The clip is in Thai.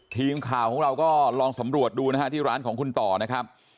ทีมข่าวของเราก็ลองสำรวจดูนะฮะที่ร้านของคุณต่อนะครับ